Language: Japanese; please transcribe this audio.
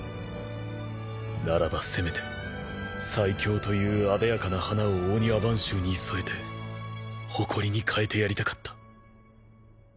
ならばせめて最強というあでやかな花を御庭番衆に添えて誇りにかえてやりたかった。